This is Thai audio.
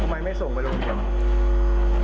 ทำไมไม่ส่งไปโรงเรียน